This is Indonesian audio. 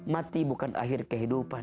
mati bukan akhir kehidupan